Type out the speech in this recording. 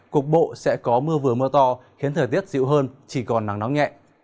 cục bộ sẽ có mưa vừa mưa to khiến thời tiết dịu hơn chỉ còn nắng nóng nhẹ